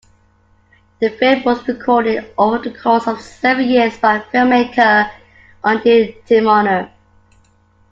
The film was recorded over the course of seven years by filmmaker Ondi Timoner.